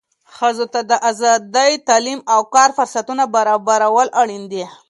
ښځو ته د آزادۍ، تعلیم او کار فرصتونه برابرول اړین دي.